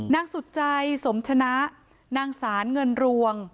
นางสุดใจสมชนะนางสารเงินรวง